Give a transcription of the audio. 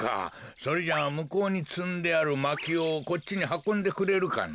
それじゃあむこうにつんであるまきをこっちにはこんでくれるかな？